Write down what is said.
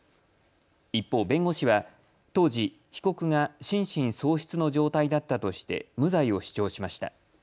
一方、弁護士は当時被告が心神喪失の状態だったとして無罪を主張しました。